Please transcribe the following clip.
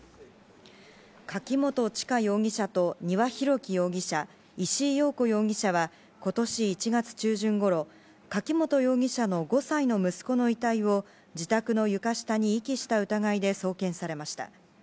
柿本知香容疑者と丹羽洋樹容疑者石井陽子容疑者は今年１月中旬ごろ、柿本容疑者の５歳の息子の遺体を自宅の床下に遺棄した疑いで送検されました。